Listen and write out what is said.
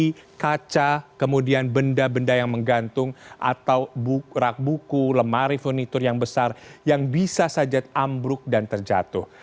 jangan lupa untuk menggunakan buku kaca benda benda yang menggantung atau rak buku lemari dan furniture yang besar yang bisa saja amruk dan terjatuh